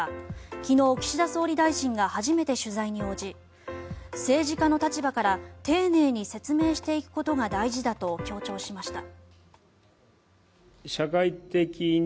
昨日、岸田総理大臣が初めて取材に応じ政治家の立場から丁寧に説明していくことが大事だと強調しました。